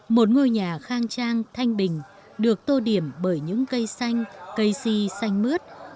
một ngôi nhà khang trang thanh bình được tô điểm bởi những cây xanh cây si xanh mướt